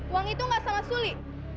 uang itu gak sama suli